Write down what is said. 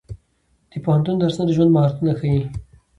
د پوهنتون درسونه د ژوند مهارتونه ښيي.